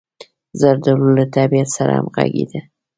زردالو له طبعیت سره همغږې ده.